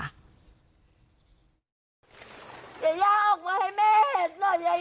ยาย่าออกมาให้เมธเห็นหน่อยยาย่า